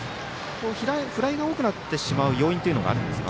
フライが多くなってしまう要因があるんですか。